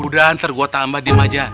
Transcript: udah ntar gue tambah diem aja